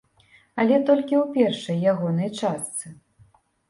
Але толькі ў першай ягонай частцы.